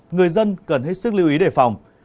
người dân cần hết sức lưu ý để phòng